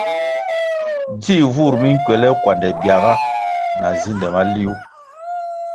Dzih vur mi nkuele kuande biaga na zinde maliwuh.